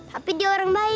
tapi dia orang baik